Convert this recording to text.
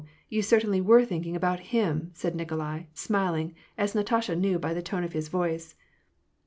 you certainly were thinking about A,im," said Nikolai, smiling, as Natasha knew by the tone of his voice.